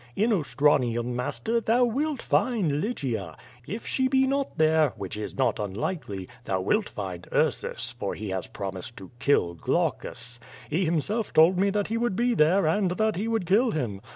In Ostranium, master, thou wilt find Lygia. If she be not there, which is not unlikely, thou wilt find Ui*sus, for he has prom ised to kill Qlaucus. He himself told me that he woiild be there, and that he would kill him.